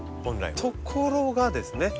ところがですね